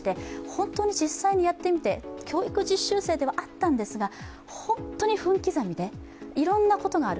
本当に実際にやってみて教育実習生ではあったんですが本当に分刻みでいろんなことがある。